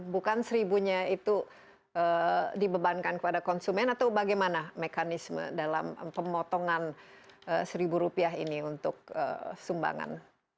bukan seribunya itu dibebankan kepada konsumen atau bagaimana mekanisme dalam pemotongan seribu rupiah ini untuk sumbangan